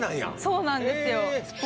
そうなんですよ。